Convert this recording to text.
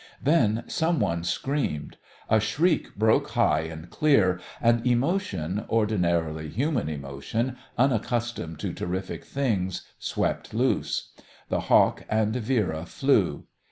Then some one screamed; a shriek broke high and clear; and emotion, ordinary human emotion, unaccustomed to terrific things, swept loose. The Hawk and Vera flew.